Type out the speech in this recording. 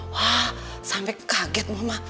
wah sampe kaget mama